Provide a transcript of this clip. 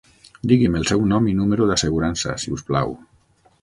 Digui'm el seu nom i número d'assegurança si us plau.